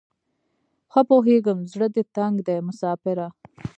ښه پوهیږم زړه دې تنګ دی مساپره